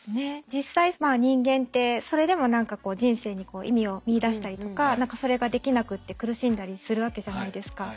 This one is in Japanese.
実際人間ってそれでも何かこう人生に意味を見いだしたりとかそれができなくて苦しんだりするわけじゃないですか。